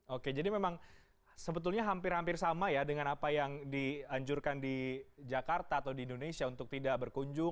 oke jadi memang sebetulnya hampir hampir sama ya dengan apa yang dianjurkan di jakarta atau di indonesia untuk tidak berkunjung